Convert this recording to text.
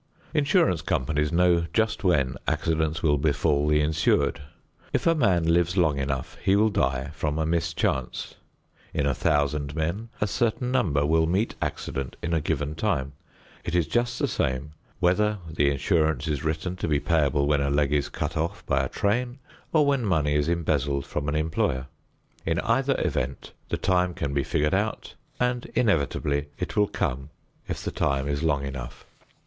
Insurance companies know just when accidents will befall the insured. If a man lives long enough he will die from a mischance. In a thousand men, a certain number will meet accident in a given time. It is just the same whether the insurance is written to be payable when a leg is cut off by a train or when money is embezzled from an employer. In either event the time can be figured out, and inevitably it will come if the time is long enough.